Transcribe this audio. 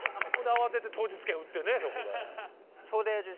慌てて当日券売ってね。